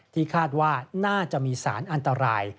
คาดว่าน่าจะมีสารอันตราย